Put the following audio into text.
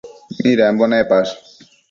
Midambo nepash?